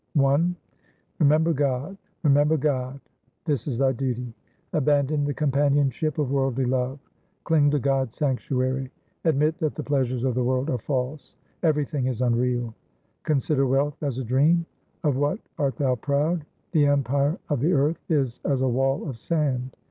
HYMNS OF GURU TEG BAHADUR 413 Jaijawanti 1 I Remember God, remember God, this is thy duty ; Abandon the companionship of worldly love ; cling to God's sanctuary ; admit that the pleasures of the world are false ; everything is unreal. Consider wealth as a dream ; of what art thou proud ? the empire of the earth is as a wall of sand.